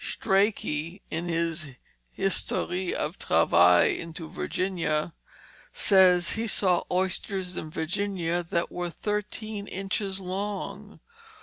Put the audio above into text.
Strachey, in his Historie of Travaile into Virginia, says he saw oysters in Virginia that were thirteen inches long.